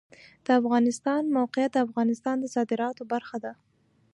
د افغانستان د موقعیت د افغانستان د صادراتو برخه ده.